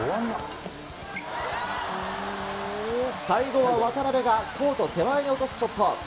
最後は渡辺がコート手前に落とすショット。